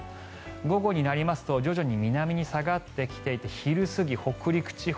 午後になりますと徐々に南に下がってきて昼過ぎ、北陸地方